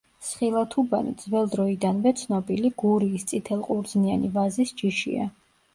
სხილათუბანი ძველ დროიდანვე ცნობილი გურიის წითელყურძნიანი ვაზის ჯიშია.